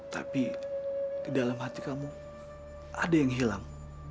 tapi di dalam hati kamu ada yang hilang